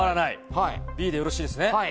Ｂでよろしいですね。